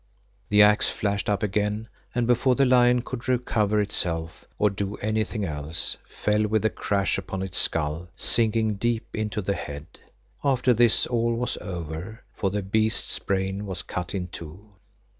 The axe flashed up again and before the lion could recover itself, or do anything else, fell with a crash upon its skull, sinking deep into the head. After this all was over, for the beast's brain was cut in two.